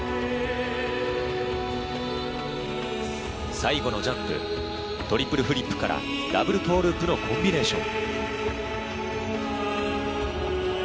最後のジャンプトリプルフリップからダブルトーループのコンビネーション。